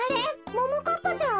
ももかっぱちゃん？